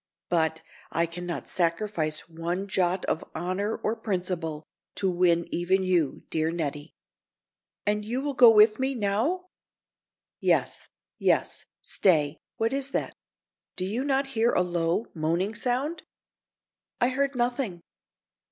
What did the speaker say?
But, I can not sacrifice one jot of honor or principle to win even you, dear Nettie." "And you will go with me, now?" "Yes—stay, what is that? Did you not hear a low, moaning sound?" "I heard nothing."